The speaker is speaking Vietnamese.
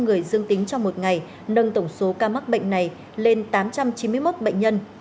một người dương tính trong một ngày nâng tổng số ca mắc bệnh này lên tám trăm chín mươi một bệnh nhân